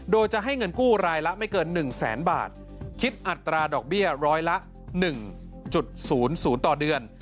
โดยจะให้เงินกู้รายละไม่เกิน๑แสนบาทคิดอัตราดอกเบี้ยร้อยละ๑๐๐ต่อเดือน